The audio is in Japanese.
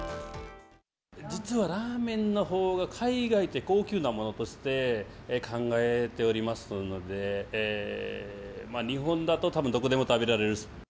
実はラーメンのほうが海外では高級なものとして考えておりますので、日本だとたぶんどこでも食べられる。